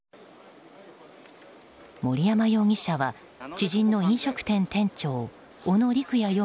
森山容疑者は、知人の飲食店店長小野陸弥